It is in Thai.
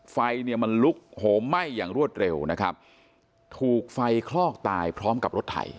ไฟเนี่ยมันลุกโหมไหม้อย่างรวดเร็วนะครับถูกไฟคลอกตายพร้อมกับรถไถ